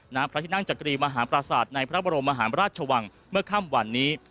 ณพระที่นั่งจักรีมหาปราศาสตร์ในพระบรมมหาราชวังเมื่อค่ำวันนี้